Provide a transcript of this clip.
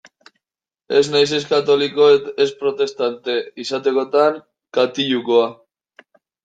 Ez naiz ez katoliko ez protestante; izatekotan katilukoa.